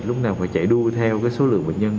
lúc nào phải chạy đua theo số lượng bệnh nhân